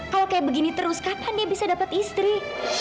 kalau kayak begini terus kapan dia bisa dapat istri